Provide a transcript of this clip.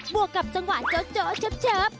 วกกับจังหวะโจ๊เจิ๊บ